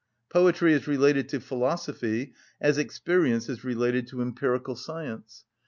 Poetry is related to philosophy as experience is related to empirical science.